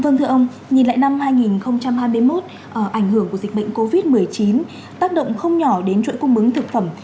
vâng thưa ông nhìn lại năm hai nghìn hai mươi một ảnh hưởng của dịch bệnh covid một mươi chín tác động không nhỏ đến chuỗi cung ứng thực phẩm